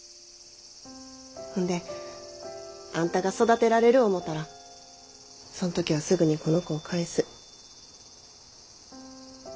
ほんであんたが育てられる思うたらその時はすぐにこの子を返す。